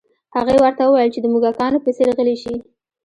هغې ورته وویل چې د موږکانو په څیر غلي شي